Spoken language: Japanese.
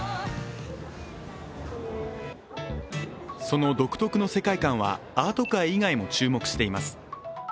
その独特の世界観はアート界以外も注目しています。